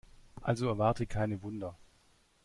Also erwarte keine Wunder.